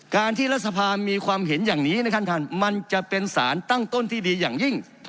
การที่รัฐสภามีความเห็นอย่างนี้นะครับท่านมันจะเป็นสารตั้งต้นที่ดีอย่างยิ่ง